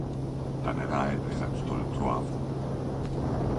Τα νερά έτρεχαν στο λουτρό άφθονα